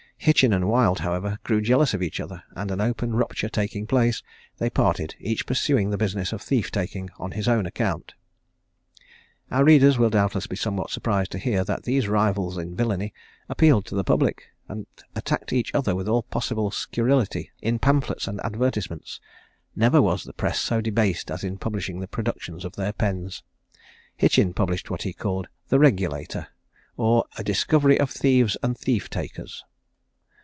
Hitchin and Wild, however, grew jealous of each other, and an open rupture taking place, they parted, each pursuing the business of thief taking on his own account. Our readers will doubtless be somewhat surprised to hear that these rivals in villany appealed to the public, and attacked each other with all possible scurrility in pamphlets and advertisements. Never was the press so debased as in publishing the productions of their pens. Hitchin published what he called "The Regulator; or a Discovery of Thieves and Thief takers."